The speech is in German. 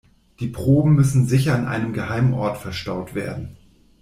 Die Proben müssen sicher an einem geheimen Ort verstaut werden.